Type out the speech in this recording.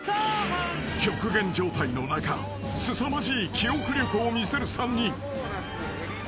［極限状態の中すさまじい記憶力を見せる３人］